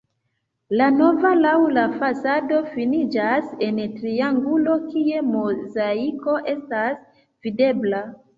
La navo laŭ la fasado finiĝas en triangulo, kie mozaiko estas videbla.